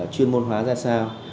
chuyên môn hóa ra sao